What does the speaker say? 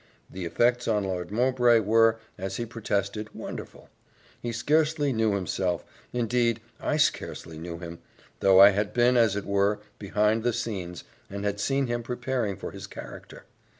The effects on Lord Mowbray were, as he protested, wonderful; he scarcely knew himself indeed I scarcely knew him, though I had been, as it were, behind the scenes, and had seen him preparing for his character.